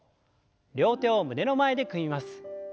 両手を胸の前で組みます。